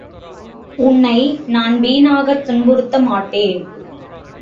உன்னை நான் வீணாகத் துன்புறுத்தமாட்டேன்.